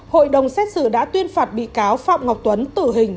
hội đồng xét xử đã tuyên phạt bị cáo phạm ngọc tuấn tử hình